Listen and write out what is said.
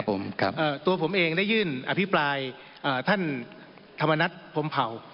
ผมครับตัวผมเองได้ยื่นอภิปรายท่านธรรมนัฐพรมเผ่า